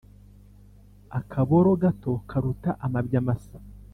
Akaboro, gato karuta amabya masa.